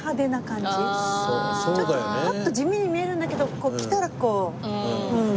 ちょっとパッと地味に見えるんだけど着たらこううん。